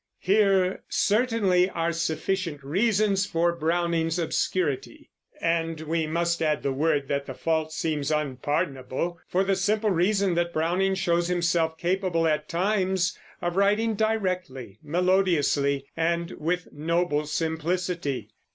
Here, certainly, are sufficient reasons for Browning's obscurity; and we must add the word that the fault seems unpardonable, for the simple reason that Browning shows himself capable, at times, of writing directly, melodiously, and with noble simplicity.